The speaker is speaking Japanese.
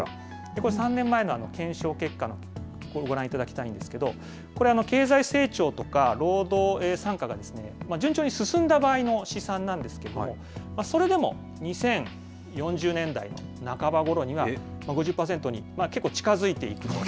これ、３年前の検証結果、ご覧いただきたいんですけれども、これ、経済成長とか労働参加が順調に進んだ場合の試算なんですけれども、それでも２０４０年代の半ばごろには５０％に結構近づいていくと。